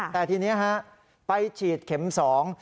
แต่ทีนี้ฮะไปฉีดเข็มสอง